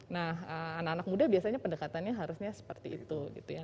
nah anak anak muda biasanya pendekatannya harusnya seperti itu gitu ya